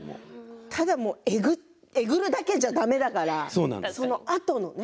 ただえぐるだけじゃだめだから、そのあとですよね